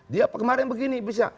dia kemarin begini bisa